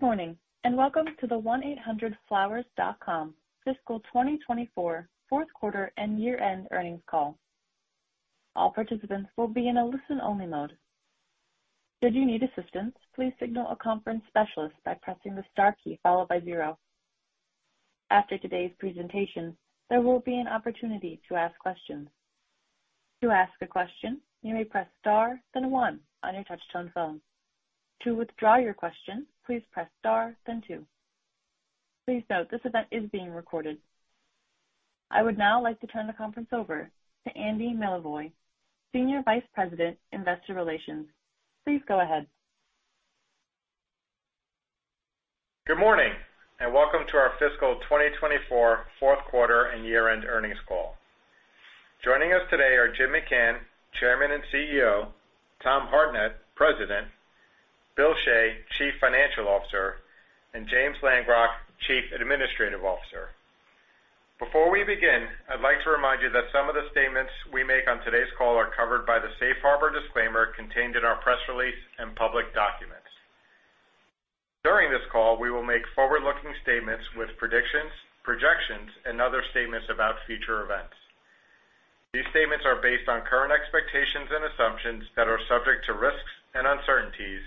Good morning, and welcome to the 1-800-Flowers.com fiscal 2024 fourth quarter and year-end earnings call. All participants will be in a listen-only mode. Should you need assistance, please signal a conference specialist by pressing the star key followed by zero. After today's presentation, there will be an opportunity to ask questions. To ask a question, you may press Star, then One on your touchtone phone. To withdraw your question, please press Star then Two. Please note, this event is being recorded. I would now like to turn the conference over to Andy Milevoj, Senior Vice President, Investor Relations. Please go ahead. Good morning, and welcome to our fiscal twenty twenty-four fourth quarter and year-end earnings call. Joining us today are Jim McCann, Chairman and CEO, Tom Hartnett, President, Bill Shea, Chief Financial Officer, and James Langrock, Chief Administrative Officer. Before we begin, I'd like to remind you that some of the statements we make on today's call are covered by the Safe Harbor disclaimer contained in our press release and public documents. During this call, we will make forward-looking statements with predictions, projections, and other statements about future events. These statements are based on current expectations and assumptions that are subject to risks and uncertainties,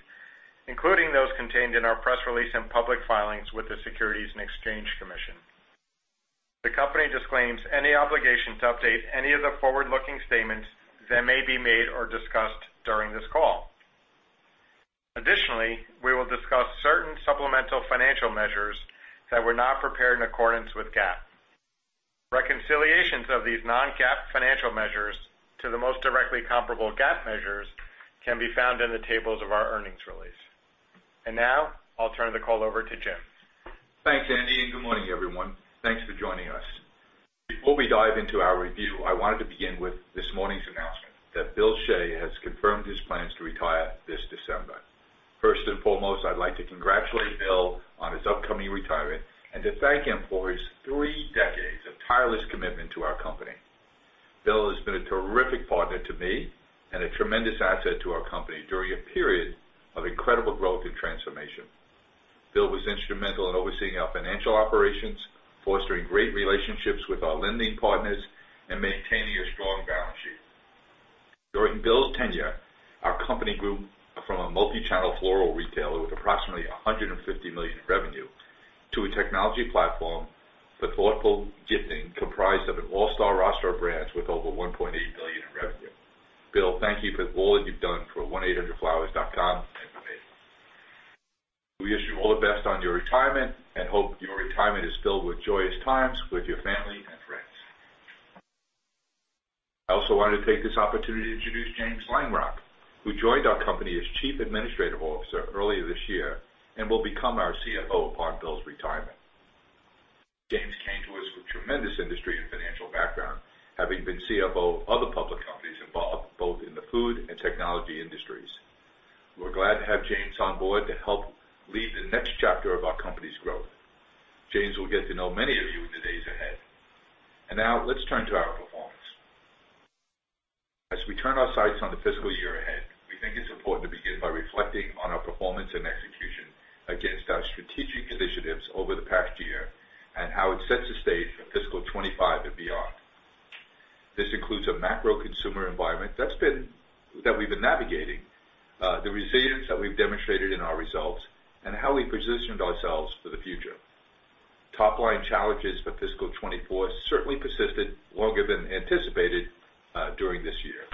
including those contained in our press release and public filings with the Securities and Exchange Commission. The company disclaims any obligation to update any of the forward-looking statements that may be made or discussed during this call. Additionally, we will discuss certain supplemental financial measures that were not prepared in accordance with GAAP. Reconciliations of these non-GAAP financial measures to the most directly comparable GAAP measures can be found in the tables of our earnings release, and now I'll turn the call over to Jim. Thanks, Andy, and good morning, everyone. Thanks for joining us. Before we dive into our review, I wanted to begin with this morning's announcement that Bill Shea has confirmed his plans to retire this December. First and foremost, I'd like to congratulate Bill on his upcoming retirement and to thank him for his three decades of tireless commitment to our company. Bill has been a terrific partner to me and a tremendous asset to our company during a period of incredible growth and transformation. Bill was instrumental in overseeing our financial operations, fostering great relationships with our lending partners, and maintaining a strong balance sheet. During Bill's tenure, our company grew from a multi-channel floral retailer with approximately $150 million in revenue, to a technology platform for thoughtful gifting, comprised of an all-star roster of brands with over $1.8 billion in revenue. Bill, thank you for all that you've done for 1-800-Flowers.com and for me. We wish you all the best on your retirement and hope your retirement is filled with joyous times with your family and friends. I also wanted to take this opportunity to introduce James Langrock, who joined our company as Chief Administrative Officer earlier this year and will become our CFO upon Bill's retirement. James came to us with tremendous industry and financial background, having been CFO of other public companies involved both in the food and technology industries. We're glad to have James on board to help lead the next chapter of our company's growth. James will get to know many of you in the days ahead. And now, let's turn to our performance. As we turn our sights on the fiscal year ahead, we think it's important to begin by reflecting on our performance and execution against our strategic initiatives over the past year and how it sets the stage for fiscal 2025 and beyond. This includes a macro consumer environment that we've been navigating, the resilience that we've demonstrated in our results, and how we positioned ourselves for the future. Top-line challenges for fiscal 2024 certainly persisted longer than anticipated during this year.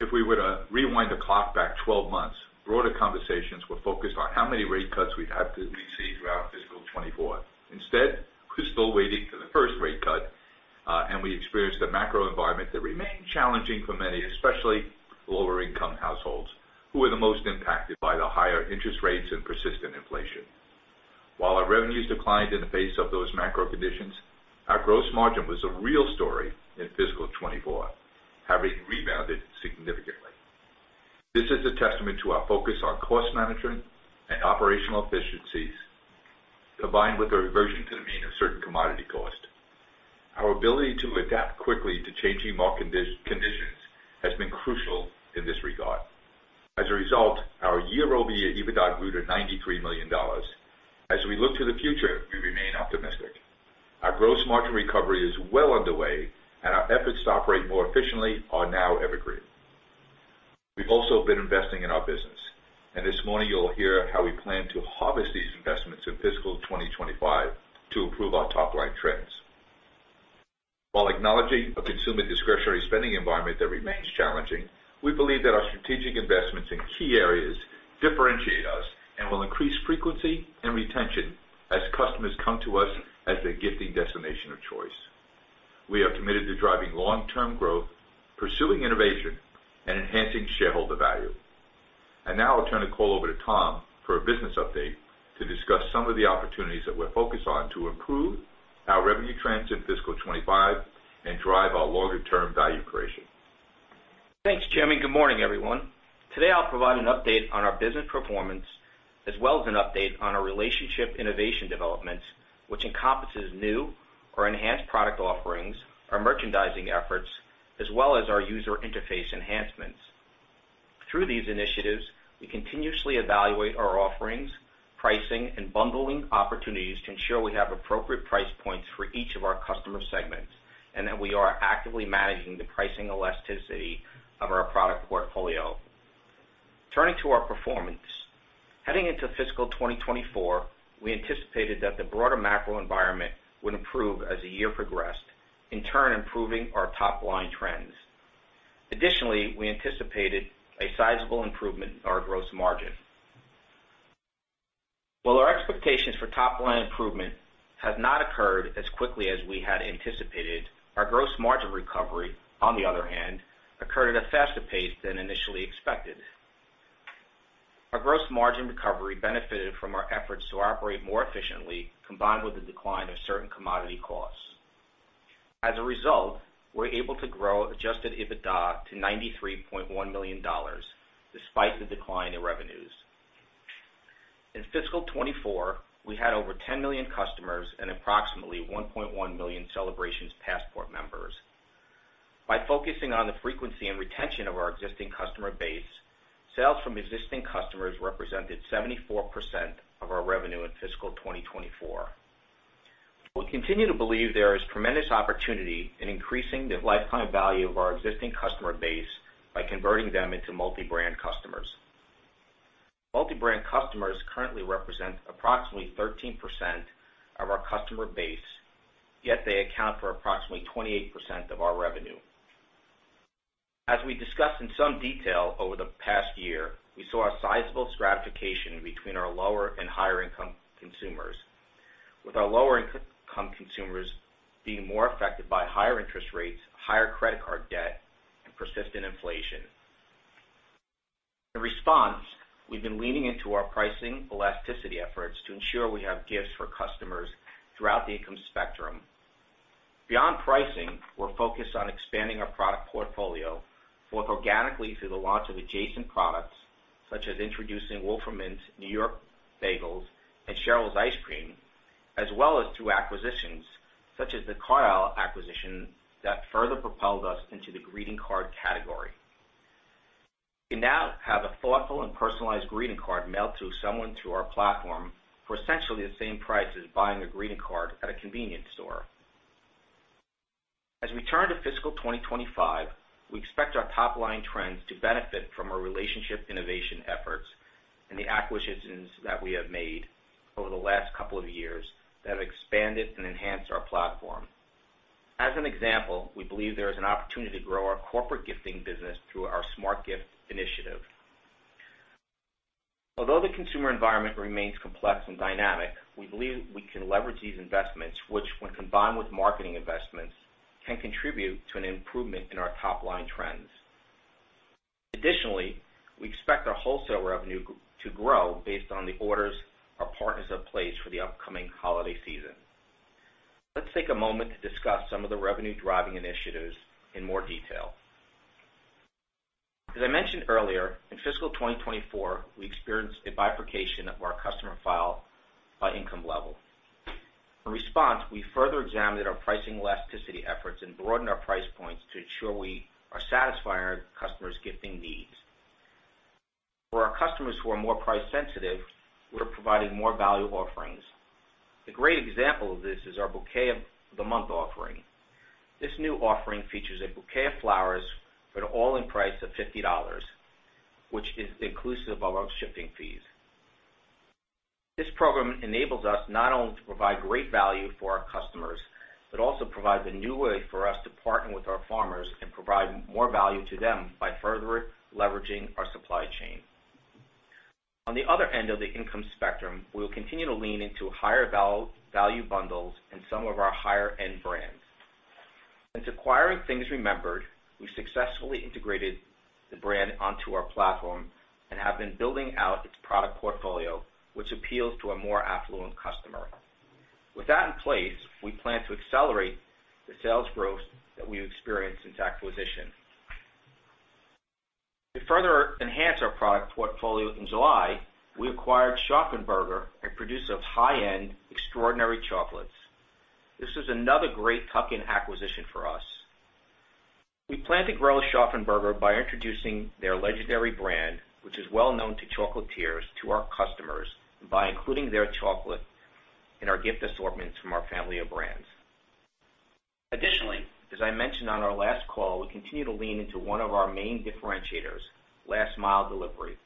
If we were to rewind the clock back 12 months, broader conversations were focused on how many rate cuts we'd have to receive throughout fiscal 2024. Instead, we're still waiting for the first rate cut, and we experienced a macro environment that remained challenging for many, especially lower-income households, who were the most impacted by the higher interest rates and persistent inflation. While our revenues declined in the face of those macro conditions, our gross margin was a real story in fiscal 2024, having rebounded significantly. This is a testament to our focus on cost management and operational efficiencies, combined with a reversion to the mean of certain commodity costs. Our ability to adapt quickly to changing market conditions has been crucial in this regard. As a result, our year-over-year EBITDA grew to $93 million. As we look to the future, we remain optimistic. Our gross margin recovery is well underway, and our efforts to operate more efficiently are now evergreen. We've also been investing in our business, and this morning you'll hear how we plan to harvest these investments in fiscal 2025 to improve our top-line trends. While acknowledging a consumer discretionary spending environment that remains challenging, we believe that our strategic investments in key areas differentiate us and will increase frequency and retention as customers come to us as their gifting destination of choice. We are committed to driving long-term growth, pursuing innovation, and enhancing shareholder value. And now I'll turn the call over to Tom for a business update to discuss some of the opportunities that we're focused on to improve our revenue trends in fiscal 2025 and drive our longer-term value creation. Thanks, Jim, and good morning, everyone. Today, I'll provide an update on our business performance.... as well as an update on our relationship innovation developments, which encompasses new or enhanced product offerings, our merchandising efforts, as well as our user interface enhancements. Through these initiatives, we continuously evaluate our offerings, pricing, and bundling opportunities to ensure we have appropriate price points for each of our customer segments, and that we are actively managing the pricing elasticity of our product portfolio. Turning to our performance. Heading into fiscal twenty twenty-four, we anticipated that the broader macro environment would improve as the year progressed, in turn, improving our top line trends. Additionally, we anticipated a sizable improvement in our gross margin. While our expectations for top line improvement have not occurred as quickly as we had anticipated, our gross margin recovery, on the other hand, occurred at a faster pace than initially expected. Our gross margin recovery benefited from our efforts to operate more efficiently, combined with the decline of certain commodity costs. As a result, we're able to grow Adjusted EBITDA to $93.1 million, despite the decline in revenues. In fiscal 2024, we had over 10 million customers and approximately 1.1 million Celebrations Passport members. By focusing on the frequency and retention of our existing customer base, sales from existing customers represented 74% of our revenue in fiscal 2024. We continue to believe there is tremendous opportunity in increasing the lifetime value of our existing customer base by converting them into multi-brand customers. Multi-brand customers currently represent approximately 13% of our customer base, yet they account for approximately 28% of our revenue. As we discussed in some detail over the past year, we saw a sizable stratification between our lower and higher income consumers, with our lower income consumers being more affected by higher interest rates, higher credit card debt, and persistent inflation. In response, we've been leaning into our pricing elasticity efforts to ensure we have gifts for customers throughout the income spectrum. Beyond pricing, we're focused on expanding our product portfolio, both organically through the launch of adjacent products, such as introducing Wolferman's New York Bagels and Cheryl's Ice Cream, as well as through acquisitions, such as the Card Isle acquisition that further propelled us into the greeting card category. You now have a thoughtful and personalized greeting card mailed to someone through our platform for essentially the same price as buying a greeting card at a convenience store. As we turn to fiscal 2025, we expect our top line trends to benefit from our relationship innovation efforts and the acquisitions that we have made over the last couple of years that have expanded and enhanced our platform. As an example, we believe there is an opportunity to grow our corporate gifting business through our SmartGift initiative. Although the consumer environment remains complex and dynamic, we believe we can leverage these investments, which, when combined with marketing investments, can contribute to an improvement in our top line trends. Additionally, we expect our wholesale revenue to grow based on the orders our partners have placed for the upcoming holiday season. Let's take a moment to discuss some of the revenue-driving initiatives in more detail. As I mentioned earlier, in fiscal 2024, we experienced a bifurcation of our customer file by income level. In response, we further examined our pricing elasticity efforts and broadened our price points to ensure we are satisfying our customers' gifting needs. For our customers who are more price sensitive, we're providing more value offerings. A great example of this is our Bouquet of the Month offering. This new offering features a bouquet of flowers at an all-in price of $50, which is inclusive of our shipping fees. This program enables us not only to provide great value for our customers, but also provides a new way for us to partner with our farmers and provide more value to them by further leveraging our supply chain. On the other end of the income spectrum, we will continue to lean into higher value bundles and some of our higher-end brands. Since acquiring Things Remembered, we successfully integrated the brand onto our platform and have been building out its product portfolio, which appeals to a more affluent customer. With that in place, we plan to accelerate the sales growth that we've experienced since acquisition. To further enhance our product portfolio, in July, we acquired Shari's Berries, a producer of high-end, extraordinary chocolates. This is another great tuck-in acquisition for us. We plan to grow Shari's Berries by introducing their legendary brand, which is well known to chocolatiers, to our customers, and by including their chocolate in our gift assortments from our family of brands. Additionally, as I mentioned on our last call, we continue to lean into one of our main differentiators, last mile delivery.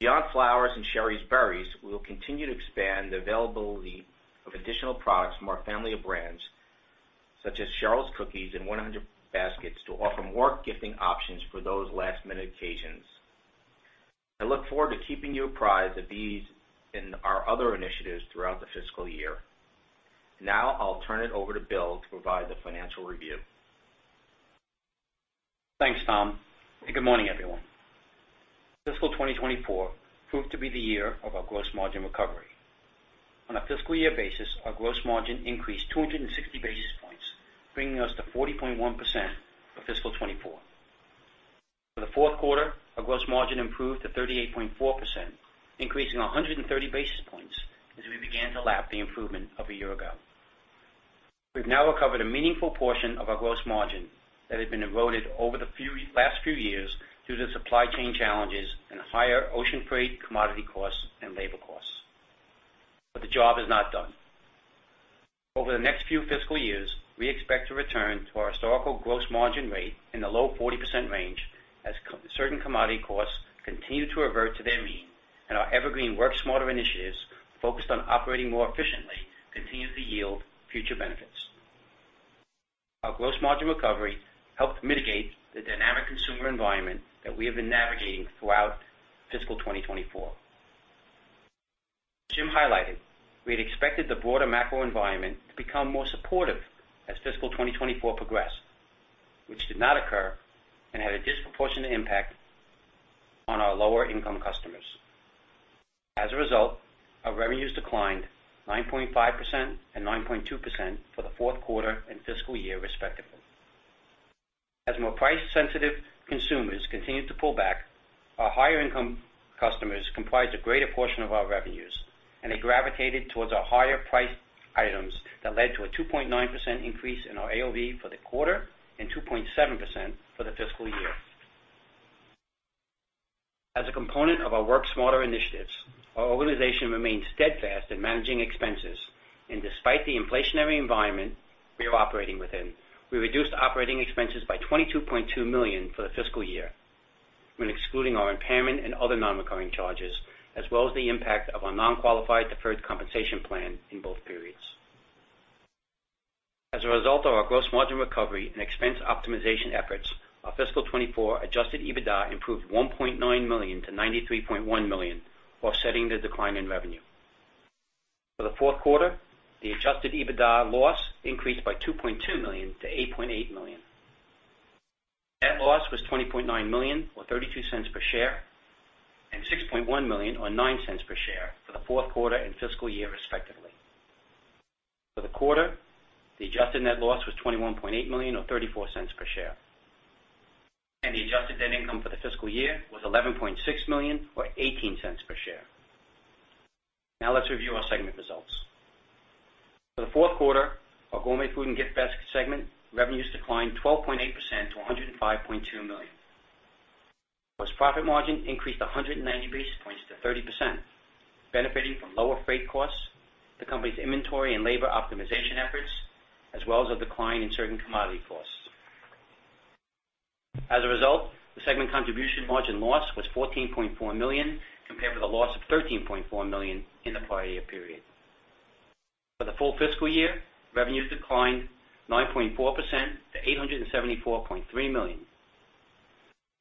Beyond flowers and Shari's Berries, we will continue to expand the availability of additional products from our family of brands, such as Cheryl's Cookies and 1-800-Baskets, to offer more gifting options for those last-minute occasions. I look forward to keeping you apprised of these and our other initiatives throughout the fiscal year. Now I'll turn it over to Bill to provide the financial review. Thanks, Tom, and good morning, everyone. Fiscal 2024 proved to be the year of our gross margin recovery. On a fiscal year basis, our gross margin increased 260 basis points, bringing us to 40.1% for fiscal 2024. For the fourth quarter, our gross margin improved to 38.4%, increasing 130 basis points as we began to lap the improvement of a year ago. We've now recovered a meaningful portion of our gross margin that had been eroded over the last few years due to supply chain challenges and higher ocean freight, commodity costs, and labor costs. But the job is not done. Over the next few fiscal years, we expect to return to our historical gross margin rate in the low 40% range, as certain commodity costs continue to revert to their mean, and our evergreen Work Smarter initiatives, focused on operating more efficiently, continue to yield future benefits. Our gross margin recovery helped mitigate the dynamic consumer environment that we have been navigating throughout fiscal twenty twenty-four. As Jim highlighted, we had expected the broader macro environment to become more supportive as fiscal twenty twenty-four progressed, which did not occur and had a disproportionate impact on our lower-income customers. As a result, our revenues declined 9.5% and 9.2% for the fourth quarter and fiscal year, respectively. As more price-sensitive consumers continued to pull back, our higher-income customers comprised a greater portion of our revenues, and they gravitated towards our higher-priced items that led to a 2.9% increase in our AOV for the quarter and 2.7% for the fiscal year. As a component of our Work Smarter initiatives, our organization remains steadfast in managing expenses, and despite the inflationary environment we are operating within, we reduced operating expenses by $22.2 million for the fiscal year, when excluding our impairment and other non-recurring charges, as well as the impact of our non-qualified deferred compensation plan in both periods. As a result of our gross margin recovery and expense optimization efforts, our fiscal 2024 Adjusted EBITDA improved $1.9 million to $93.1 million, offsetting the decline in revenue. For the fourth quarter, the adjusted EBITDA loss increased by $2.2 million to $8.8 million. Net loss was $20.9 million, or $0.32 per share, and $6.1 million, or $0.09 per share, for the fourth quarter and fiscal year, respectively. For the quarter, the adjusted net loss was $21.8 million, or $0.34 per share. The adjusted net income for the fiscal year was $11.6 million, or $0.18 per share. Now, let's review our segment results. For the fourth quarter, our Gourmet Food and Gift Baskets segment revenues declined 12.8% to $105.2 million. Gross profit margin increased 190 basis points to 30%, benefiting from lower freight costs, the company's inventory and labor optimization efforts, as well as a decline in certain commodity costs. As a result, the segment contribution margin loss was $14.4 million, compared with a loss of $13.4 million in the prior year period. For the full fiscal year, revenues declined 9.4% to $874.3 million.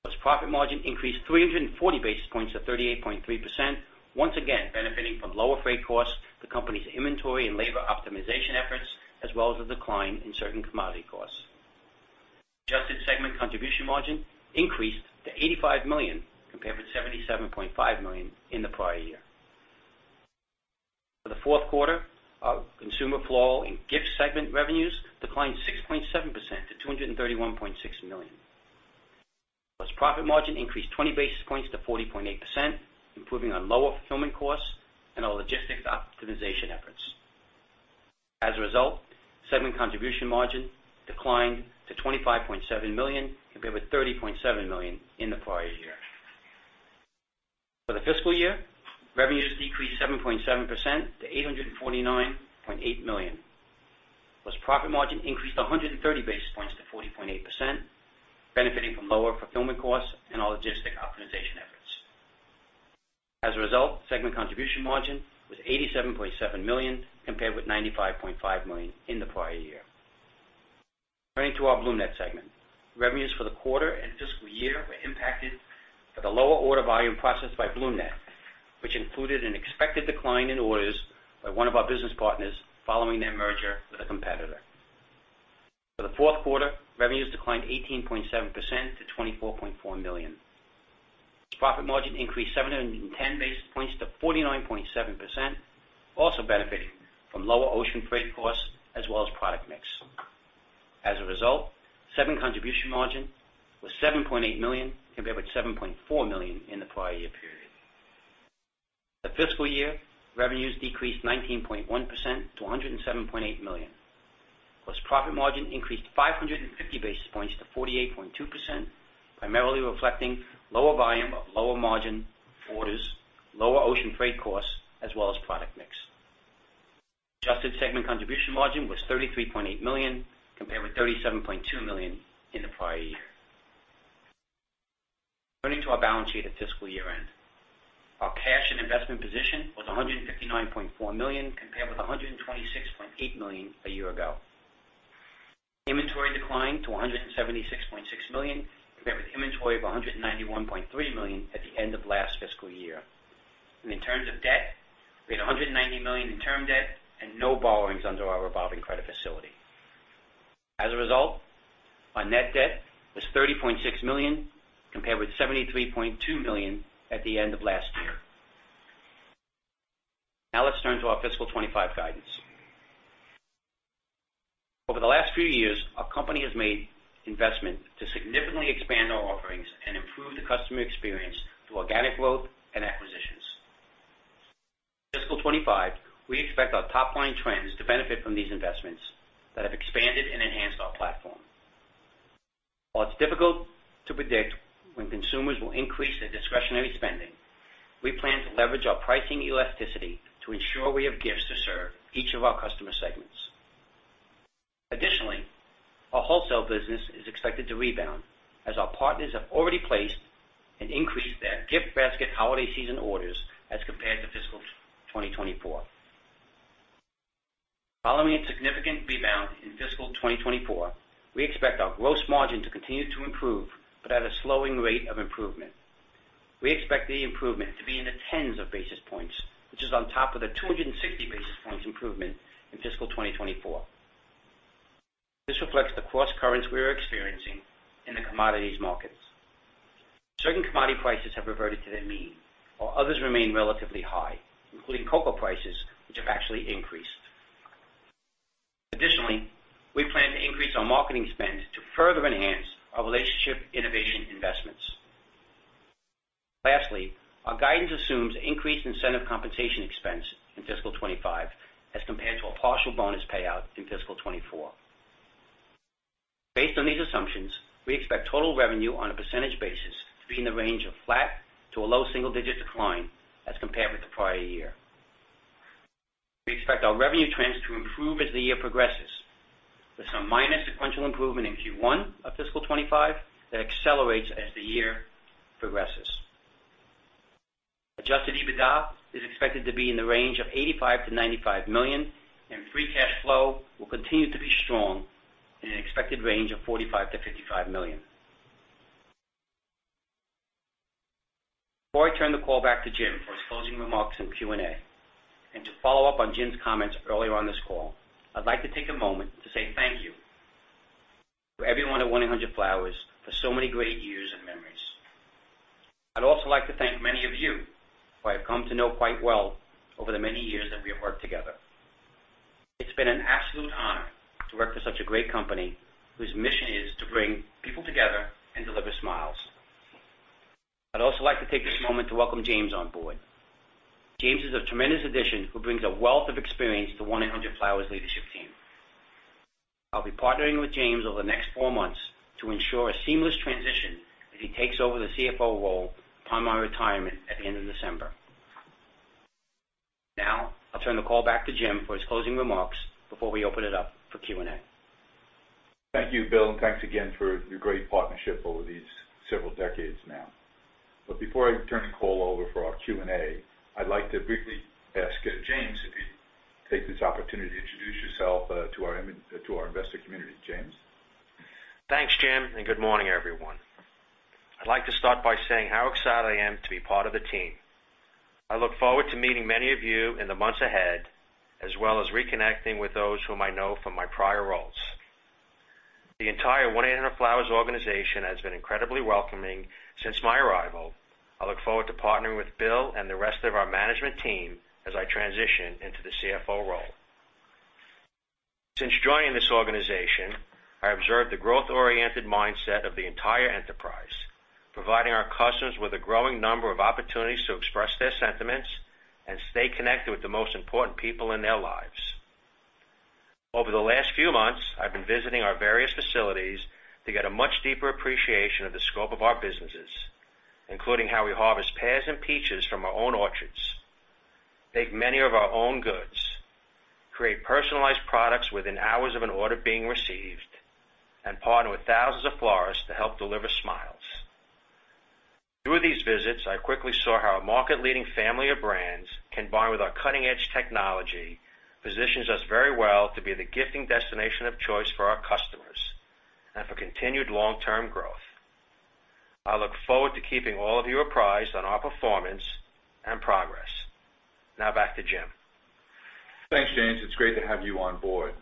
Gross profit margin increased 340 basis points to 38.3%, once again, benefiting from lower freight costs, the company's inventory and labor optimization efforts, as well as a decline in certain commodity costs. Adjusted segment contribution margin increased to $85 million, compared with $77.5 million in the prior year. For the fourth quarter, our Consumer Floral and Gifts segment revenues declined 6.7% to $231.6 million. Gross profit margin increased 20 basis points to 40.8%, improving on lower fulfillment costs and our logistics optimization efforts. As a result, segment contribution margin declined to $25.7 million, compared with $30.7 million in the prior year. For the fiscal year, revenues decreased 7.7% to $849.8 million. Plus, profit margin increased 130 basis points to 40.8%, benefiting from lower fulfillment costs and our logistic optimization efforts. As a result, segment contribution margin was $87.7 million, compared with $95.5 million in the prior year. Turning to our BloomNet segment. Revenues for the quarter and fiscal year were impacted by the lower order volume processed by BloomNet, which included an expected decline in orders by one of our business partners following their merger with a competitor. For the fourth quarter, revenues declined 18.7% to $24.4 million. Profit margin increased 710 basis points to 49.7%, also benefiting from lower ocean freight costs as well as product mix. As a result, segment contribution margin was $7.8 million, compared with $7.4 million in the prior year period. The fiscal year, revenues decreased 19.1% to $107.8 million. Plus, profit margin increased 550 basis points to 48.2%, primarily reflecting lower volume of lower margin orders, lower ocean freight costs, as well as product mix. Adjusted segment contribution margin was $33.8 million, compared with $37.2 million in the prior year. Turning to our balance sheet at fiscal year-end. Our cash and investment position was $159.4 million, compared with $126.8 million a year ago. Inventory declined to $176.6 million, compared with inventory of $191.3 million at the end of last fiscal year, and in terms of debt, we had $190 million in term debt and no borrowings under our revolving credit facility. As a result, our net debt is $30.6 million, compared with $73.2 million at the end of last year. Now let's turn to our fiscal 2025 guidance. Over the last few years, our company has made investment to significantly expand our offerings and improve the customer experience through organic growth and acquisitions. Fiscal 2025, we expect our top line trends to benefit from these investments that have expanded and enhanced our platform. While it's difficult to predict when consumers will increase their discretionary spending, we plan to leverage our pricing elasticity to ensure we have gifts to serve each of our customer segments. Additionally, our wholesale business is expected to rebound as our partners have already placed and increased their gift basket holiday season orders as compared to fiscal 2024. Following a significant rebound in fiscal 2024, we expect our gross margin to continue to improve, but at a slowing rate of improvement. We expect the improvement to be in the tens of basis points, which is on top of the 260 basis points improvement in fiscal 2024. This reflects the cross currents we are experiencing in the commodities markets. Certain commodity prices have reverted to their mean, while others remain relatively high, including cocoa prices, which have actually increased. Additionally, we plan to increase our marketing spend to further enhance our Relationship Innovation investments. Lastly, our guidance assumes increased incentive compensation expense in fiscal twenty-five as compared to a partial bonus payout in fiscal twenty-four. Based on these assumptions, we expect total revenue on a percentage basis to be in the range of flat to a low single-digit decline as compared with the prior year. We expect our revenue trends to improve as the year progresses, with some minor sequential improvement in Q1 of fiscal twenty-five that accelerates as the year progresses. Adjusted EBITDA is expected to be in the range of $85-$95 million, and Free Cash Flow will continue to be strong in an expected range of $45-$55 million. Before I turn the call back to Jim for his closing remarks and Q&A, and to follow up on Jim's comments earlier on this call, I'd like to take a moment to say thank you to everyone at 1-800-Flowers for so many great years and memories. I'd also like to thank many of you who I have come to know quite well over the many years that we have worked together. It's been an absolute honor to work for such a great company, whose mission is to bring people together and deliver smiles. I'd also like to take this moment to welcome James Langrock on board. James Langrock is a tremendous addition, who brings a wealth of experience to 1-800-Flowers leadership team. I'll be partnering with James over the next four months to ensure a seamless transition as he takes over the CFO role upon my retirement at the end of December. Now, I'll turn the call back to Jim for his closing remarks before we open it up for Q&A. Thank you, Bill, and thanks again for your great partnership over these several decades now. But before I turn the call over for our Q&A, I'd like to briefly ask James if you'd take this opportunity to introduce yourself to our investor community. James? Thanks, Jim, and good morning, everyone. I'd like to start by saying how excited I am to be part of the team. I look forward to meeting many of you in the months ahead, as well as reconnecting with those whom I know from my prior roles. The entire 1-800-Flowers organization has been incredibly welcoming since my arrival. I look forward to partnering with Bill and the rest of our management team as I transition into the CFO role. Since joining this organization, I observed the growth-oriented mindset of the entire enterprise, providing our customers with a growing number of opportunities to express their sentiments and stay connected with the most important people in their lives. Over the last few months, I've been visiting our various facilities to get a much deeper appreciation of the scope of our businesses, including how we harvest pears and peaches from our own orchards, bake many of our own goods, create personalized products within hours of an order being received, and partner with thousands of florists to help deliver smiles. Through these visits, I quickly saw how our market-leading family of brands, combined with our cutting-edge technology, positions us very well to be the gifting destination of choice for our customers and for continued long-term growth. I look forward to keeping all of you apprised on our performance and progress. Now, back to Jim. Thanks, James. It's great to have you on board.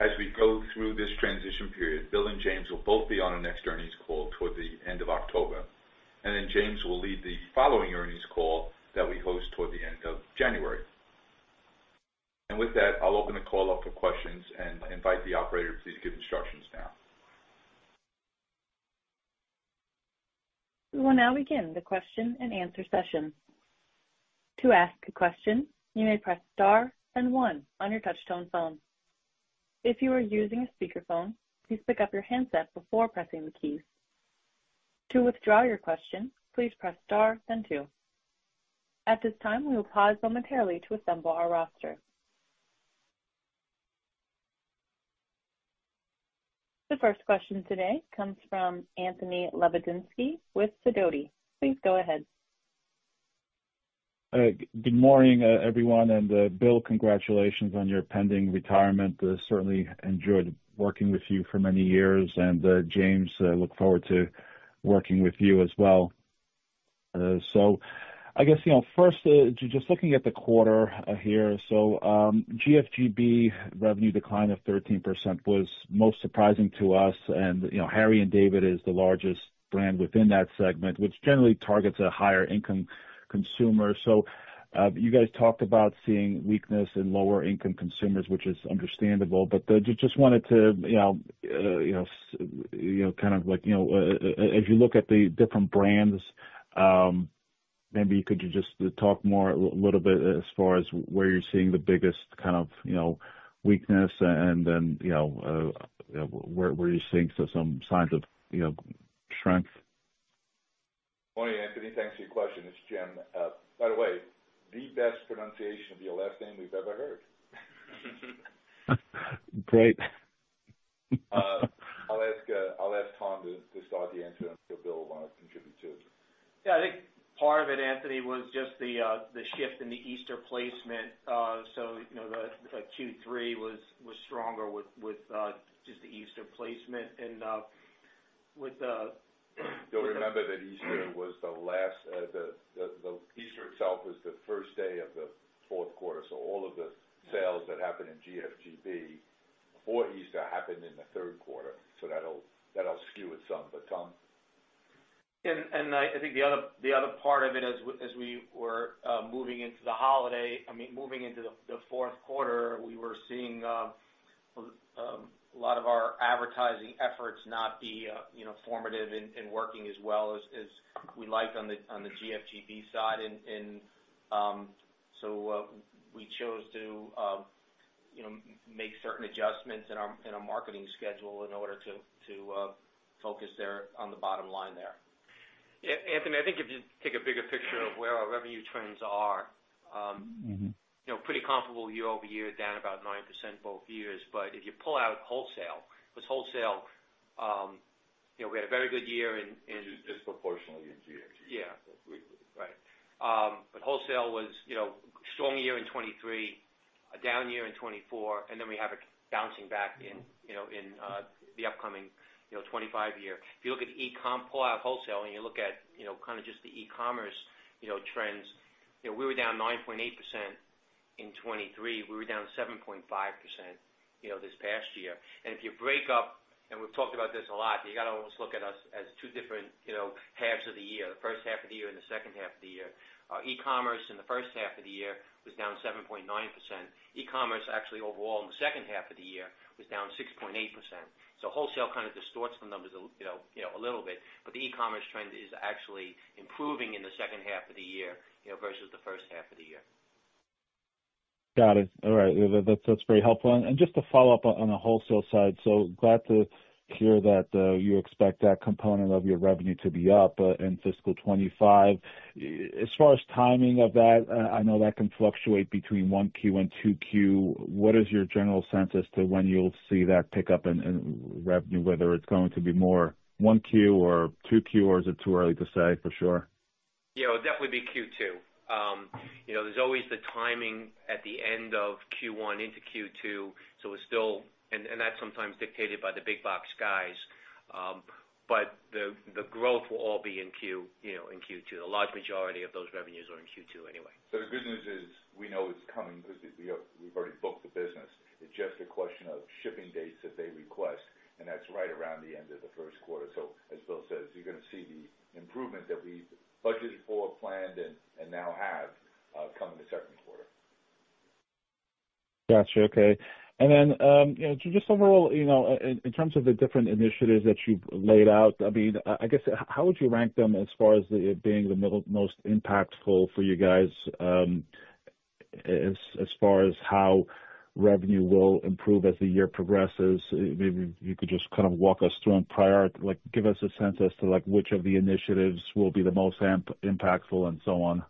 As we go through this transition period, Bill and James will both be on our next earnings call toward the end of October, and then James will lead the following earnings call that we host toward the end of January, and with that, I'll open the call up for questions and invite the operator to please give instructions now. We will now begin the question-and-answer session. To ask a question, you may press star and one on your touchtone phone. If you are using a speakerphone, please pick up your handset before pressing the keys. To withdraw your question, please press star then two. At this time, we will pause momentarily to assemble our roster. The first question today comes from Anthony Lebiedzinski with Sidoti. Please go ahead. Good morning, everyone, and Bill, congratulations on your pending retirement. I certainly enjoyed working with you for many years, and James, I look forward to working with you as well. So I guess, you know, first, just looking at the quarter here. So, GFGB revenue decline of 13% was most surprising to us, and, you know, Harry & David is the largest brand within that segment, which generally targets a higher income consumer. So, you guys talked about seeing weakness in lower income consumers, which is understandable, but just, just wanted to, you know, you know, you know, kind of like, you know, as you look at the different brands, maybe could you just talk more a little bit as far as where you're seeing the biggest kind of, you know, weakness, and then, you know, where you're seeing some signs of, you know, strength? Morning, Anthony. Thanks for your question. It's Jim. By the way, the best pronunciation of your last name we've ever heard. Great. I'll ask Tom to start the answer, and I'm sure Bill will wanna contribute, too. Yeah, I think part of it, Anthony, was just the shift in the Easter placement. So, you know, the, like, Q3 was stronger with just the Easter placement. And with the- You'll remember that Easter was the last, the Easter itself was the first day of the fourth quarter, so all of the sales that happened in GFGB before Easter happened in the third quarter. So that'll skew it some. But Tom? I think the other part of it, as we were moving into the holiday, I mean, moving into the fourth quarter, we were seeing a lot of our advertising efforts not be, you know, formative and working as well as we liked on the GFGB side. So we chose to, you know, make certain adjustments in our marketing schedule in order to focus there on the bottom line there. Yeah, Anthony, I think if you take a bigger picture of where our revenue trends are- Mm-hmm. You know, pretty comfortable year over year, down about 9% both years. But if you pull out wholesale, because wholesale, you know, we had a very good year in Disproportionately in GFGB. Yeah. Right, but wholesale was, you know, strong year in 2023, a down year in 2024, and then we have it bouncing back in, you know, in, the upcoming, you know, 2025 year. If you look at e-com, pull out wholesale, and you look at, you know, kind of just the e-commerce, you know, trends, you know, we were down 9.8% in 2023. We were down 7.5%, you know, this past year. And if you break up, and we've talked about this a lot, you gotta almost look at us as two different, you know, halves of the year, the first half of the year and the second half of the year. Our e-commerce in the first half of the year was down 7.9%. E-commerce, actually, overall, in the second half of the year was down 6.8%. So wholesale kind of distorts the numbers, you know, a little bit, but the e-commerce trend is actually improving in the second half of the year, you know, versus the first half of the year. Got it. All right. Yeah, that, that's very helpful. And just to follow up on the wholesale side, so glad to hear that you expect that component of your revenue to be up in fiscal twenty-five. As far as timing of that, I know that can fluctuate between one Q and two Q. What is your general sense as to when you'll see that pick up in revenue, whether it's going to be more one Q or two Q, or is it too early to say for sure? Yeah, it'll definitely be Q2. You know, there's always the timing at the end of Q1 into Q2, so we're still... and that's sometimes dictated by the big box guys, but the growth will all be in Q2, you know. A large majority of those revenues are in Q2 anyway. So the good news is, we know it's coming because we've already booked the business. It's just a question of shipping dates that they request, and that's right around the end of the first quarter. So as Bill says, you're gonna see the improvement that we've budgeted for, planned, and now have come in the second quarter. Got you. Okay. And then, you know, just overall, you know, in terms of the different initiatives that you've laid out, I mean, I guess, how would you rank them as far as the, being the middle, most impactful for you guys, as far as how revenue will improve as the year progresses? Maybe you could just kind of walk us through and like, give us a sense as to, like, which of the initiatives will be the most impactful and so on.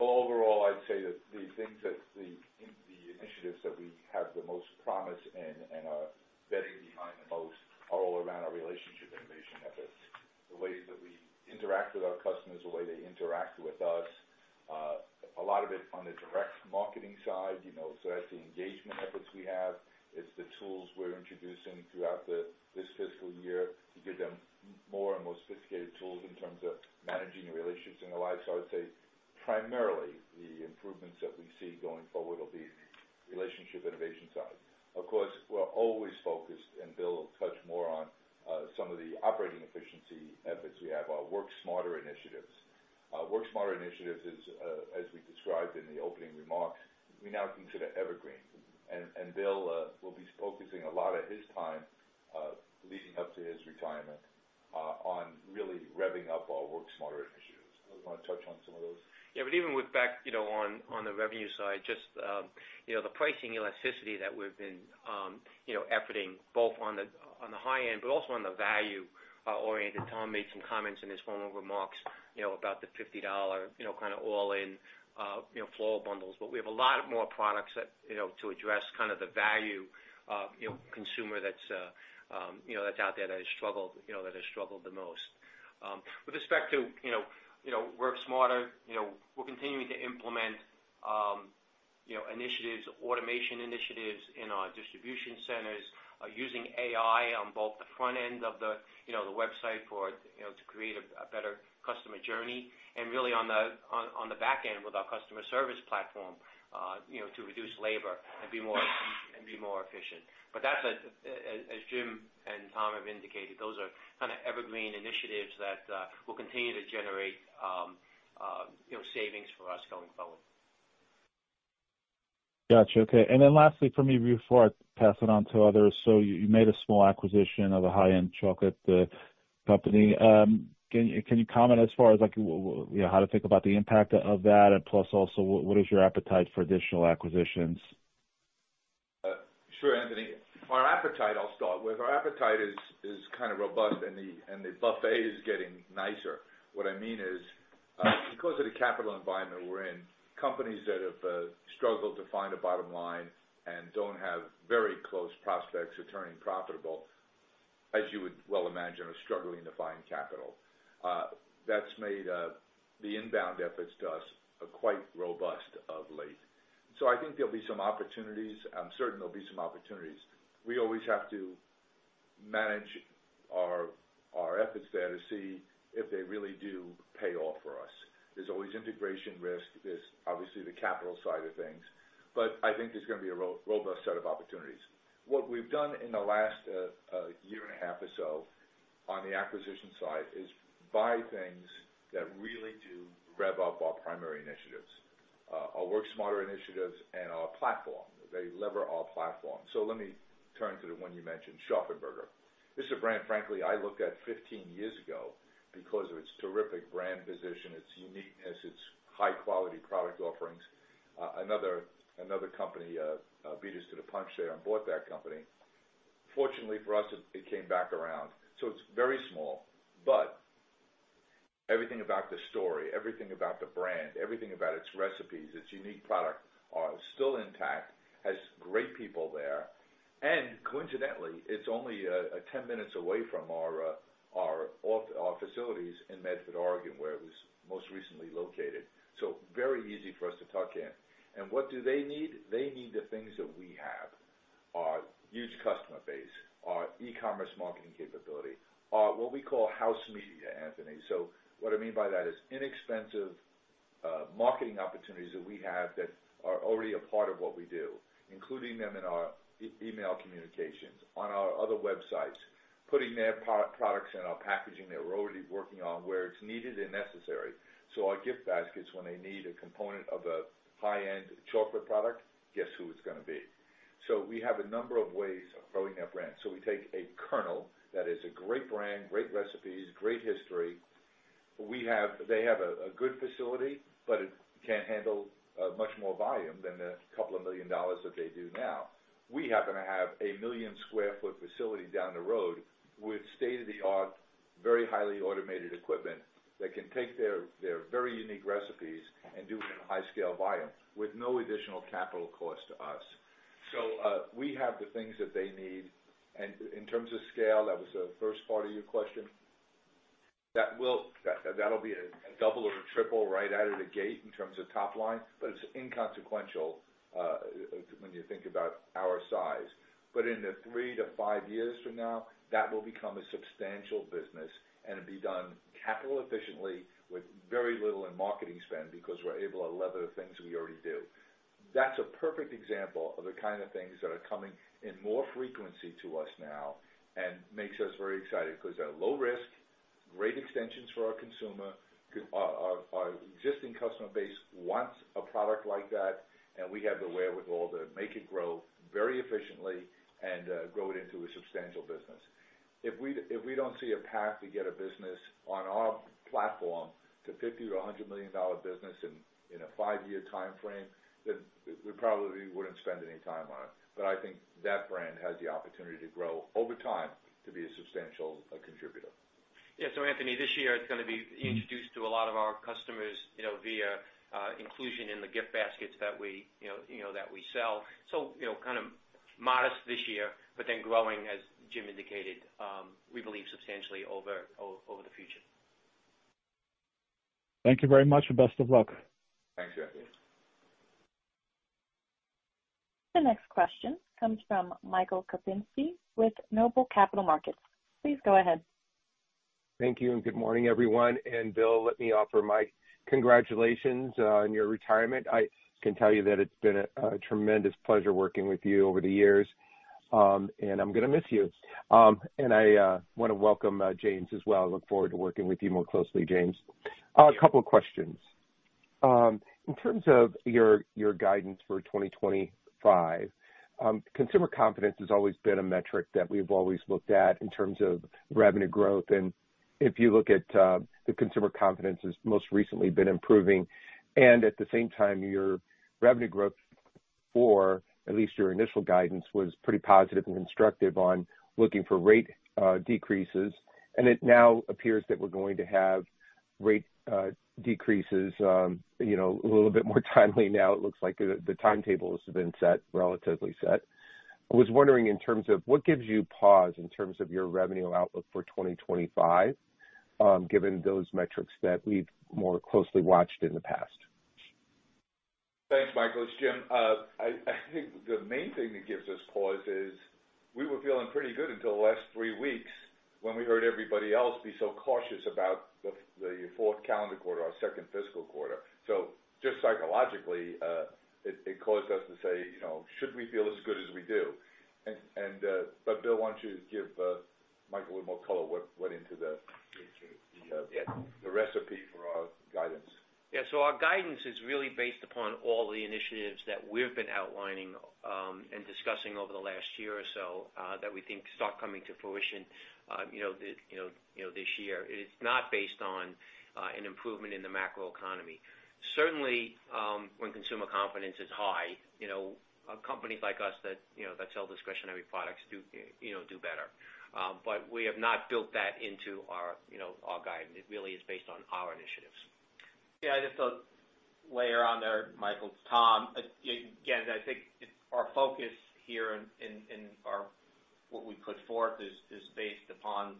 Overall, I'd say that the things that the initiatives that we have the most promise in and are betting behind the most are all around our relationship innovation efforts. The ways that we interact with our customers, the way they interact with us, a lot of it on the direct marketing side, you know, so that's the engagement efforts we have. It's the tools we're introducing throughout this fiscal year to give them more and more sophisticated tools in terms of managing relationships in their life. So I would say, primarily, the improvements that we see going forward will be relationship innovation side. Of course, we're always focused, and Bill will touch more on some of the operating efficiency efforts we have, our Work Smarter initiatives. Our Work Smarter initiatives is, as we described in the opening remarks, we now consider evergreen. Bill will be focusing a lot of his time leading up to his retirement on really revving up our Work Smarter initiatives. Do you wanna touch on some of those? Yeah, but even with back, you know, on, on the revenue side, just, you know, the pricing elasticity that we've been, you know, efforting both on the, on the high end, but also on the value oriented. Tom made some comments in his formal remarks, you know, about the $50, you know, kind of all-in floral bundles. But we have a lot of more products that, you know, to address kind of the value, you know, consumer that's, you know, that's out there, that has struggled, you know, that has struggled the most. With respect to, you know, you know, Work Smarter, you know, we're continuing to implement. You know, initiatives, automation initiatives in our distribution centers, using AI on both the front end of the, you know, the website for, you know, to create a better customer journey, and really on the back end with our customer service platform, you know, to reduce labor and be more efficient. But that's, as Jim and Tom have indicated, those are kind of evergreen initiatives that will continue to generate, you know, savings for us going forward. Gotcha. Okay, and then lastly for me, before I pass it on to others, so you made a small acquisition of a high-end chocolate company. Can you comment as far as, like, you know, how to think about the impact of that, and plus, also what is your appetite for additional acquisitions? Sure, Anthony. Our appetite, I'll start with, our appetite is kind of robust, and the buffet is getting nicer. What I mean is, because of the capital environment we're in, companies that have struggled to find a bottom line and don't have very close prospects to turning profitable, as you would well imagine, are struggling to find capital. That's made the inbound efforts to us quite robust of late. So I think there'll be some opportunities. I'm certain there'll be some opportunities. We always have to manage our efforts there to see if they really do pay off for us. There's always integration risk. There's obviously the capital side of things, but I think there's gonna be a robust set of opportunities. What we've done in the last year and a half or so on the acquisition side is buy things that really do rev up our primary initiatives, our Work Smarter initiatives and our platform. They lever our platform. So let me turn to the one you mentioned, Shari's Berries. This is a brand, frankly, I looked at fifteen years ago because of its terrific brand position, its uniqueness, its high-quality product offerings. Another company beat us to the punch there and bought that company. Fortunately for us, it came back around, so it's very small, but everything about the story, everything about the brand, everything about its recipes, its unique product are still intact, has great people there, and coincidentally, it's only ten minutes away from our facilities in Medford, Oregon, where it was most recently located, so very easy for us to tuck in. And what do they need? They need the things that we have, our huge customer base, our e-commerce marketing capability, our what we call house media, Anthony. So what I mean by that is inexpensive marketing opportunities that we have that are already a part of what we do, including them in our email communications, on our other websites, putting their products in our packaging that we're already working on, where it's needed and necessary. So our gift baskets, when they need a component of a high-end chocolate product, guess who it's gonna be? So we have a number of ways of growing that brand. So we take a kernel that is a great brand, great recipes, great history. They have a good facility, but it can't handle much more volume than the $2 million that they do now. We happen to have a 1 million sq ft facility down the road with state-of-the-art, very highly automated equipment that can take their very unique recipes and do it in a high scale volume with no additional capital cost to us. So we have the things that they need. And in terms of scale, that was the first part of your question. That will, that'll be a double or a triple right out of the gate in terms of top line, but it's inconsequential when you think about our size. But in the three to five years from now, that will become a substantial business and be done capital efficiently with very little in marketing spend, because we're able to lever the things we already do. That's a perfect example of the kind of things that are coming in more frequency to us now and makes us very excited because they're low risk, great extensions for our consumer, our existing customer base wants a product like that, and we have the wherewithal to make it grow very efficiently and grow it into a substantial business. If we don't see a path to get a business on our platform to a $50 million-$100 million business in a five-year timeframe, then we probably wouldn't spend any time on it, but I think that brand has the opportunity to grow over time to be a substantial contributor. Yeah, so Anthony, this year, it's gonna be introduced to a lot of our customers, you know, via inclusion in the gift baskets that we, you know, that we sell. So, you know, kind of modest this year, but then growing, as Jim indicated, we believe substantially over the future. Thank you very much, and best of luck. Thanks, Anthony. The next question comes from Michael Kupinski with Noble Capital Markets. Please go ahead. Thank you, and good morning, everyone. Bill, let me offer my congratulations on your retirement. I can tell you that it's been a tremendous pleasure working with you over the years, and I'm gonna miss you. I want to welcome James as well. I look forward to working with you more closely, James. A couple of questions. In terms of your guidance for twenty twenty-five, consumer confidence has always been a metric that we've always looked at in terms of revenue growth. And if you look at the consumer confidence has most recently been improving, and at the same time, your revenue growth for at least your initial guidance was pretty positive and constructive on looking for rate decreases, and it now appears that we're going to have rate decreases, you know, a little bit more timely now. It looks like the timetable has been set, relatively set. I was wondering in terms of what gives you pause in terms of your revenue outlook for 2025, given those metrics that we've more closely watched in the past? Thanks, Michael. It's Jim. I think the main thing that gives us pause is we were feeling pretty good until the last three weeks when we heard everybody else be so cautious about the fourth calendar quarter, our second fiscal quarter. So just psychologically, it caused us to say, you know, "Should we feel as good as we do?" But Bill, why don't you give Michael a little more color on what went into the recipe for our guidance. Yeah. So our guidance is really based upon all the initiatives that we've been outlining and discussing over the last year or so that we think start coming to fruition, you know, this year. It is not based on an improvement in the macroeconomy. Certainly, when consumer confidence is high, you know, companies like us that, you know, that sell discretionary products do, you know, do better. But we have not built that into our, you know, our guidance. It really is based on our initiatives. Yeah, I just thought layer on there, Michael, it's Tom. Again, I think our focus here in our what we put forth is based upon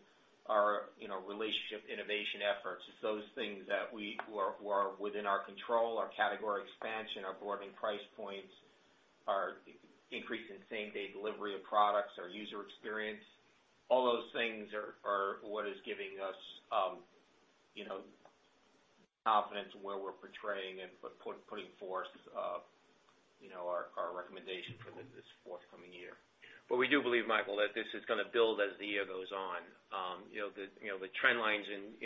our, you know, relationship innovation efforts. It's those things that we who are within our control, our category expansion, our broadening price points, our increase in same-day delivery of products, our user experience. All those things are what is giving us, you know, confidence in where we're portraying and putting forth, you know, our recommendation for this forthcoming year. But we do believe, Michael, that this is gonna build as the year goes on. You know, the trend lines in.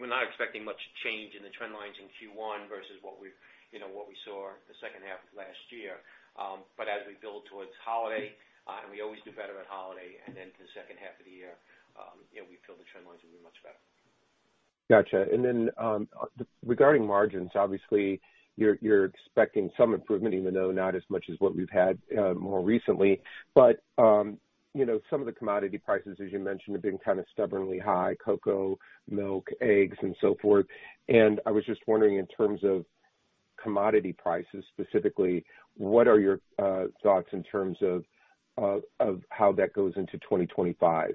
We're not expecting much change in the trend lines in Q1 versus what we've, you know, what we saw in the second half of last year. But as we build towards holiday, and we always do better at holiday, and then for the second half of the year, yeah, we feel the trend lines will be much better. Gotcha. And then, regarding margins, obviously, you're expecting some improvement, even though not as much as what we've had more recently. But, you know, some of the commodity prices, as you mentioned, have been kind of stubbornly high, cocoa, milk, eggs, and so forth. And I was just wondering, in terms of commodity prices specifically, what are your thoughts in terms of how that goes into twenty twenty-five?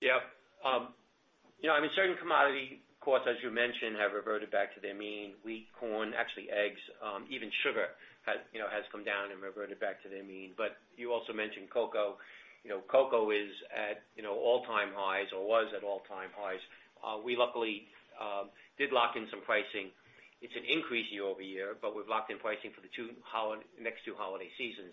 Yeah. You know, I mean, certain commodity costs, as you mentioned, have reverted back to their mean. Wheat, corn, actually eggs, even sugar has, you know, has come down and reverted back to their mean. But you also mentioned cocoa. You know, cocoa is at, you know, all-time highs or was at all-time highs. We luckily, did lock in some pricing. It's an increase year over year, but we've locked in pricing for the two holi- next two holiday seasons,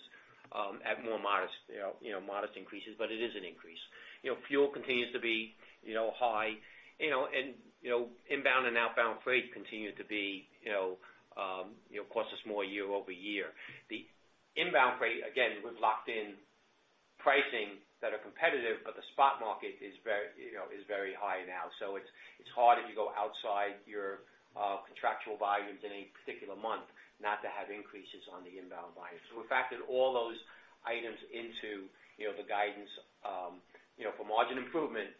at more modest, you know, you know, modest increases, but it is an increase. You know, fuel continues to be, you know, high, you know, and, you know, inbound and outbound freight continue to be, you know, cost us more year over year. The inbound freight, again, we've locked in pricing that are competitive, but the spot market is very, you know, high now. So it's hard as you go outside your contractual volumes in any particular month, not to have increases on the inbound volumes. So we've factored all those items into, you know, the guidance for margin improvement,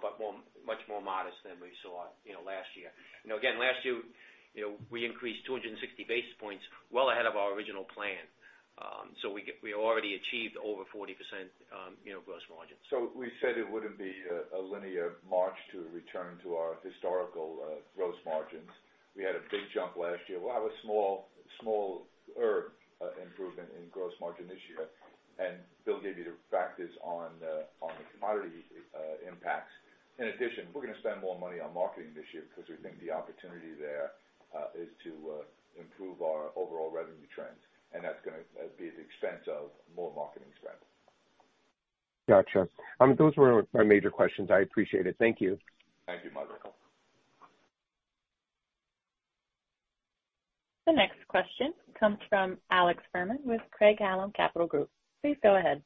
but much more modest than we saw, you know, last year. You know, again, last year, you know, we increased 260 basis points well ahead of our original plan. So we already achieved over 40%, you know, gross margin. So we said it wouldn't be a linear march to return to our historical gross margins. We had a big jump last year. We'll have a smaller improvement in gross margin this year, and Bill gave you the factors on the commodity impacts. In addition, we're gonna spend more money on marketing this year because we think the opportunity there is to improve our overall revenue trends, and that's gonna be at the expense of more marketing spend. Gotcha. Those were my major questions. I appreciate it. Thank you. Thank you, Michael. The next question comes from Alex Fuhrman with Craig-Hallum Capital Group. Please go ahead.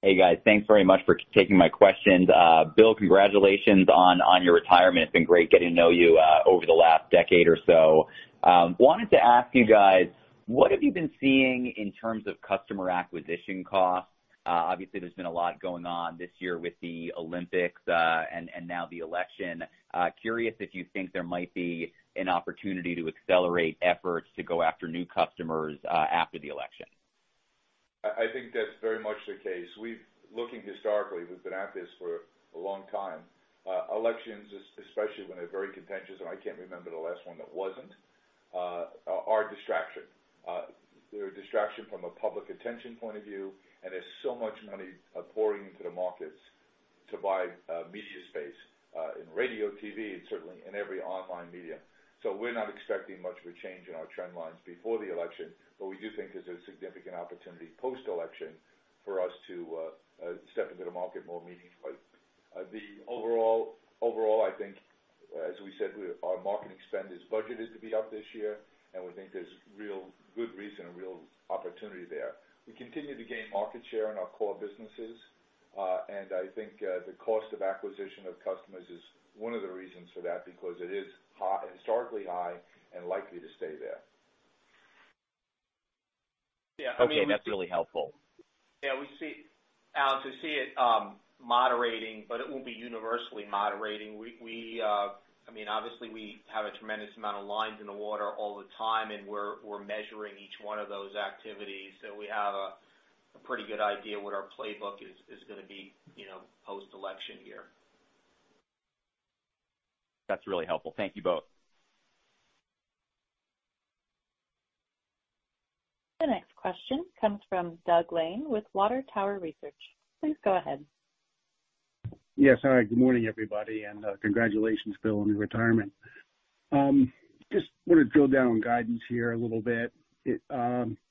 Hey, guys. Thanks very much for taking my questions. Bill, congratulations on your retirement. It's been great getting to know you over the last decade or so. Wanted to ask you guys, what have you been seeing in terms of customer acquisition costs? Obviously, there's been a lot going on this year with the Olympics and now the election. Curious if you think there might be an opportunity to accelerate efforts to go after new customers after the election. I think that's very much the case. We've looking historically, we've been at this for a long time. Elections, especially when they're very contentious, and I can't remember the last one that wasn't, are a distraction. They're a distraction from a public attention point of view, and there's so much money pouring into the markets to buy media space in radio, TV, and certainly in every online media. So we're not expecting much of a change in our trend lines before the election, but we do think there's a significant opportunity post-election for us to step into the market more meaningfully. The overall, I think, as we said, we, our marketing spend is budgeted to be up this year, and we think there's real good reason and real opportunity there. We continue to gain market share in our core businesses, and I think, the cost of acquisition of customers is one of the reasons for that, because it is high, historically high and likely to stay there. Yeah, I mean- Okay, that's really helpful.... Yeah, we see it moderating, but it will be universally moderating. I mean, obviously, we have a tremendous amount of lines in the water all the time, and we're measuring each one of those activities. So we have a pretty good idea what our playbook is gonna be, you know, post-election year. That's really helpful. Thank you both. The next question comes from Doug Lane with Water Tower Research. Please go ahead. Yes, hi, good morning, everybody, and congratulations, Bill, on your retirement. Just wanted to drill down on guidance here a little bit. You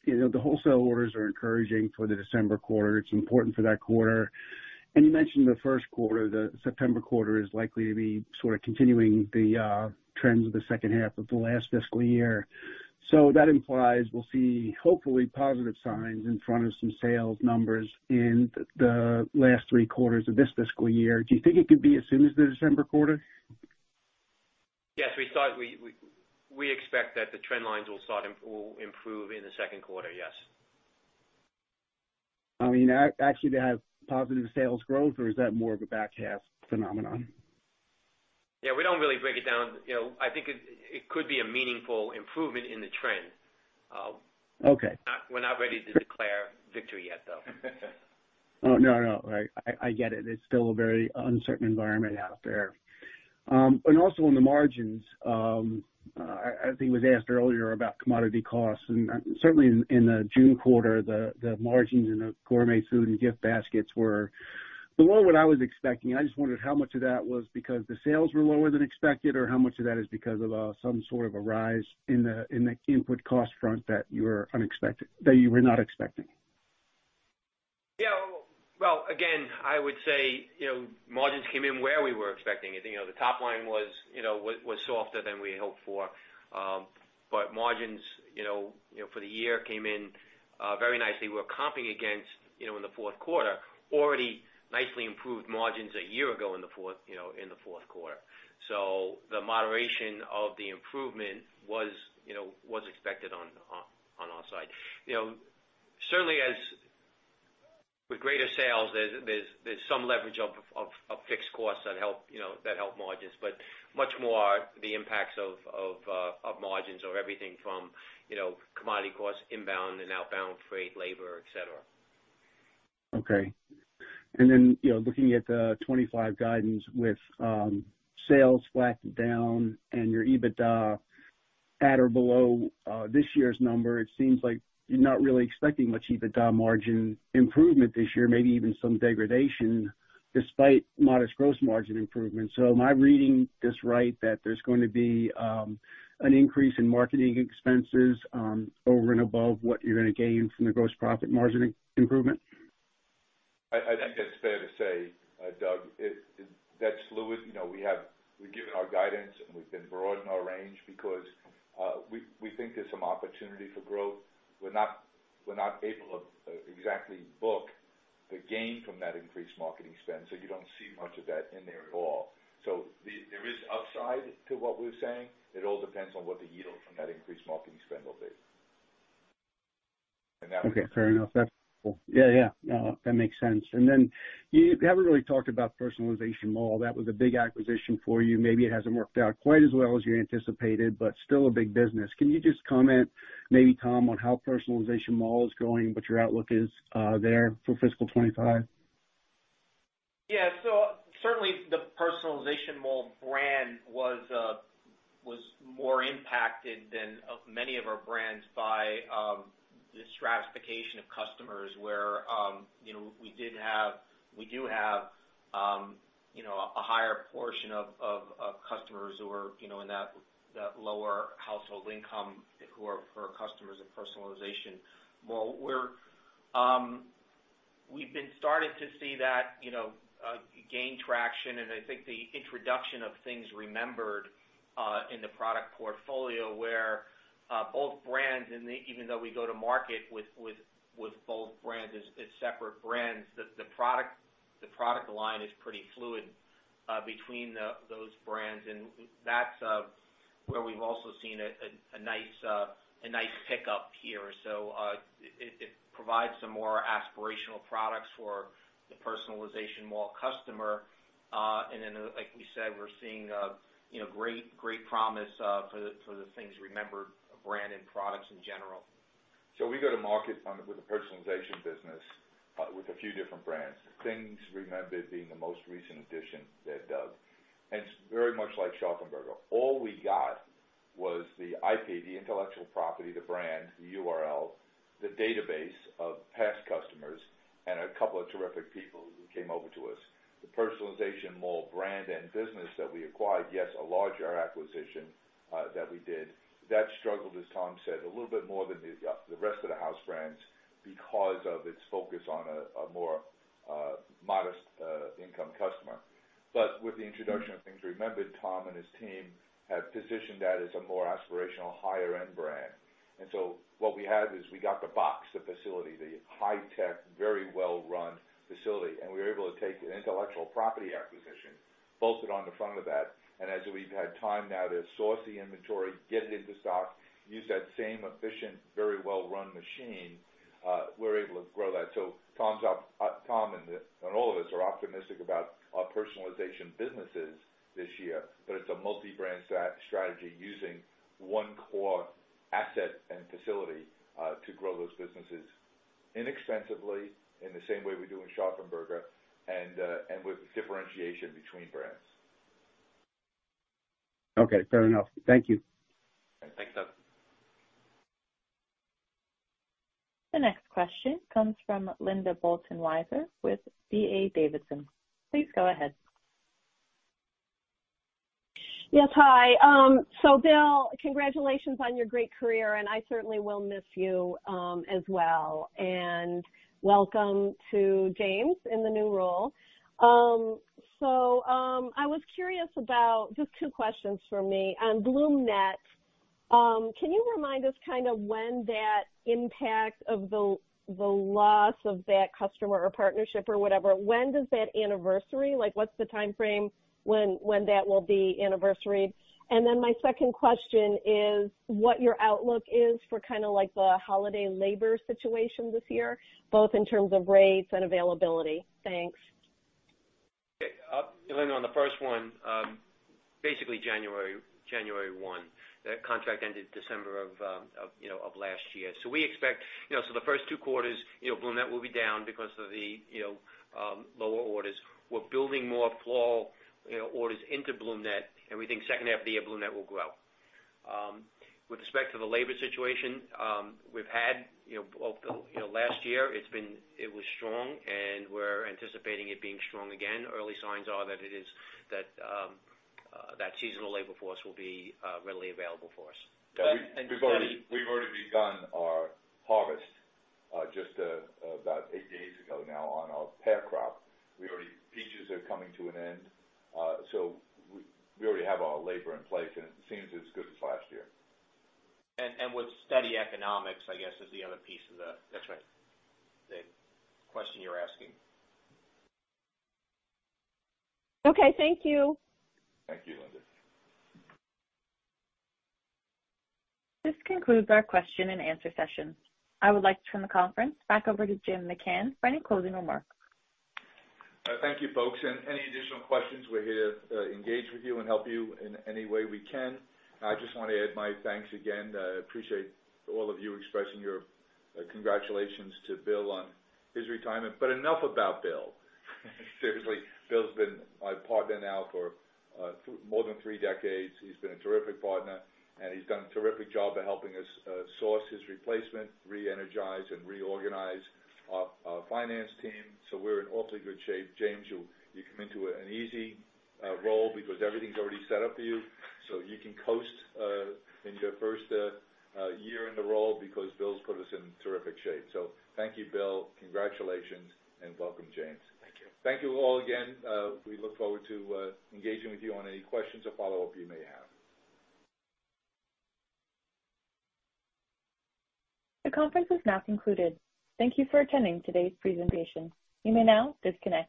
know, the wholesale orders are encouraging for the December quarter. It's important for that quarter. And you mentioned the first quarter, the September quarter, is likely to be sort of continuing the trends of the second half of the last fiscal year. So that implies we'll see, hopefully, positive signs in front of some sales numbers in the last three quarters of this fiscal year. Do you think it could be as soon as the December quarter? Yes, we expect that the trend lines will start to improve in the second quarter, yes. I mean, actually to have positive sales growth, or is that more of a back half phenomenon? Yeah, we don't really break it down. You know, I think it could be a meaningful improvement in the trend. Okay. We're not ready to declare victory yet, though. Oh, no, no, I get it. It's still a very uncertain environment out there, and also on the margins, I think it was asked earlier about commodity costs, and certainly in the June quarter, the margins in the gourmet food and gift baskets were below what I was expecting. I just wondered how much of that was because the sales were lower than expected, or how much of that is because of some sort of a rise in the input cost front that you were unexpected - that you were not expecting? Yeah, well, again, I would say, you know, margins came in where we were expecting it. You know, the top line was, you know, was softer than we hoped for. But margins, you know, for the year came in very nicely. We're comping against, you know, in the fourth quarter, already nicely improved margins a year ago in the fourth quarter. So the moderation of the improvement was, you know, expected on our side. You know, certainly as with greater sales, there's some leverage of fixed costs that help, you know, that help margins, but much more the impacts of margins or everything from, you know, commodity costs, inbound and outbound freight, labor, et cetera. Okay. And then, you know, looking at the 2025 guidance with, sales flat to down and your EBITDA at or below, this year's number, it seems like you're not really expecting much EBITDA margin improvement this year, maybe even some degradation, despite modest gross margin improvements. So am I reading this right, that there's going to be, an increase in marketing expenses, over and above what you're gonna gain from the gross profit margin improvement? I think that's fair to say, Doug. That's fluid. You know, we have we've given our guidance, and we've been broad in our range because we think there's some opportunity for growth. We're not able to exactly book the gain from that increased marketing spend, so you don't see much of that in there at all. So there is upside to what we're saying. It all depends on what the yield from that increased marketing spend will be. Okay, fair enough. That's cool. Yeah, yeah. No, that makes sense. And then you haven't really talked about Personalization Mall. That was a big acquisition for you. Maybe it hasn't worked out quite as well as you anticipated, but still a big business. Can you just comment, maybe, Tom, on how Personalization Mall is going, what your outlook is, there for fiscal twenty-five? Yeah, so certainly the Personalization Mall brand was more impacted than of many of our brands by the stratification of customers where, you know, we did have - we do have, you know, a higher portion of customers who are, you know, in that lower household income, who are for customers of Personalization Mall. We have been started to see that, you know, gain traction, and I think the introduction of Things Remembered in the product portfolio, where both brands, and even though we go to market with both brands as separate brands, the product line is pretty fluid between those brands. And that's where we've also seen a nice pickup here. So, it provides some more aspirational products for the Personalization Mall customer, and then, like we said, we're seeing, you know, great, great promise for the Things Remembered brand and products in general. So we go to market with the personalization business with a few different brands. Things Remembered being the most recent addition there, Doug. And it's very much like Shari's Berries. All we got was the IP, the intellectual property, the brand, the URL, the database of past customers, and a couple of terrific people who came over to us. The Personalization Mall brand and business that we acquired, yes, a larger acquisition that we did, that struggled, as Tom said, a little bit more than the rest of the house brands because of its focus on a more modest income customer. But with the introduction of Things Remembered, Tom and his team have positioned that as a more aspirational, higher-end brand. And so what we have is we got the box, the facility, the high tech, very well-run facility, and we were able to take the intellectual property acquisition bolted on the front of that, and as we've had time now to source the inventory, get it into stock, use that same efficient, very well-run machine, we're able to grow that. So Tom and all of us are optimistic about our personalization businesses this year, but it's a multi-brand strategy using one core asset and facility to grow those businesses inexpensively, in the same way we do in Shari's Berries, and with differentiation between brands. Okay, fair enough. Thank you. Thanks, Doug. The next question comes from Linda Bolton Weiser with D.A. Davidson. Please go ahead. Yes, hi, so Bill, congratulations on your great career, and I certainly will miss you, as well, and welcome to James in the new role. I was curious about just two questions from me. On BloomNet, can you remind us kind of when that impact of the loss of that customer or partnership or whatever, when does that anniversary, like, what's the time frame when that will be anniversaried? And then my second question is, what your outlook is for kind of like the holiday labor situation this year, both in terms of rates and availability? Thanks. Okay, Linda, on the first one, basically January one. That contract ended December of, you know, of last year. So we expect. You know, so the first two quarters, you know, BloomNet will be down because of the, you know, lower orders. We're building more fall, you know, orders into BloomNet, and we think second half of the year, BloomNet will grow. With respect to the labor situation, we've had, you know, well, you know, last year it's been. It was strong, and we're anticipating it being strong again. Early signs are that it is, that seasonal labor force will be readily available for us. We've already begun our harvest just about eight days ago now on our pear crop. Peaches are coming to an end, so we already have our labor in place, and it seems as good as last year. With steady economics, I guess, is the other piece of the- That's right. The question you're asking. Okay, thank you. Thank you, Linda. This concludes our question and answer session. I would like to turn the conference back over to Jim McCann for any closing remarks. Thank you, folks, and any additional questions, we're here to engage with you and help you in any way we can. I just want to add my thanks again. Appreciate all of you expressing your congratulations to Bill on his retirement. But enough about Bill. Seriously, Bill's been my partner now for more than three decades. He's been a terrific partner, and he's done a terrific job of helping us source his replacement, reenergize and reorganize our finance team. So we're in awfully good shape. James, you come into an easy role because everything's already set up for you, so you can coast in your first year in the role, because Bill's put us in terrific shape. So thank you, Bill. Congratulations, and welcome, James. Thank you. Thank you all again. We look forward to engaging with you on any questions or follow-up you may have. The conference is now concluded. Thank you for attending today's presentation. You may now disconnect.